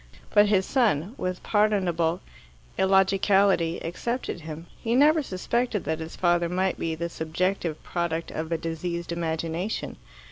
But his son, with pardonable illogicality, excepted him. He never suspected that his father might be the subjective product of a diseased imagination.